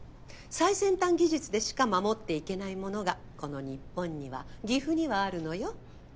最先端技術でしか守っていけないものがこの日本には岐阜にはあるのよ。